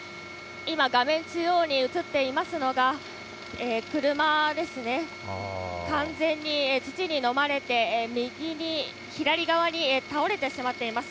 今、画面中央に写っていますのが、車ですね、完全に土に飲まれて、左側に倒れてしまっています。